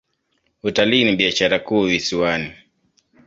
Utalii ni biashara kuu visiwani.